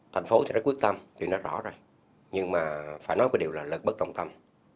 thành phố đã quyết tâm điều đó rõ rồi nhưng mà phải nói một điều là lực bất trọng tâm